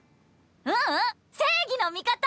ううん正義の味方！